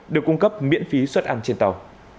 được cung cấp miễn phí xuất ăn trên tàu